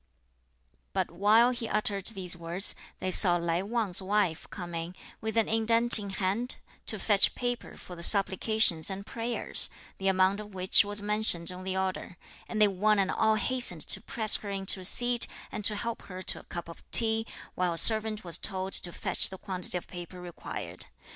But while he uttered these words, they saw Lai Wang's wife coming, with an indent in hand, to fetch paper for the supplications and prayers, the amount of which was mentioned on the order; and they one and all hastened to press her into a seat, and to help her to a cup of tea; while a servant was told to fetch the quantity of paper required.